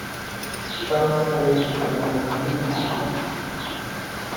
Both stations are on the Blue Line.